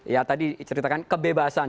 ya tadi ceritakan kebebasan